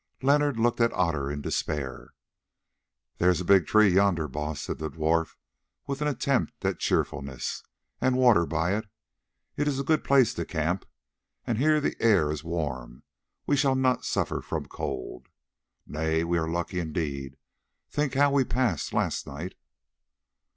Leonard looked at Otter in despair. "There is a big tree yonder, Baas," said the dwarf with an attempt at cheerfulness, "and water by it. It is a good place to camp, and here the air is warm, we shall not suffer from cold. Nay, we are lucky indeed; think how we passed last night."